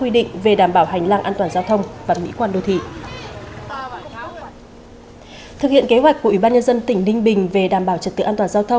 để tôi được khám chữa bệnh